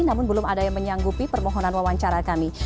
namun belum ada yang menyanggupi permohonan wawancara kami